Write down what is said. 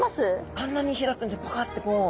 あんなに開くんですパカッとこう。